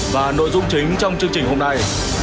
và nội dung chính trong chương trình hôm nay